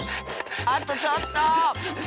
あとちょっと！